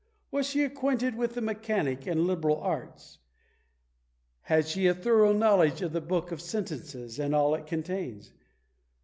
Was she acquainted with the mechanic and liberal arts? Had she a thorough knowledge of the Book of Sentences, and all it contains?